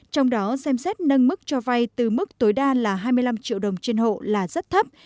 trong đó xem xét nâng mức cho vay từ mức tối đa là hai mươi năm triệu đồng trên hộ là rất thấp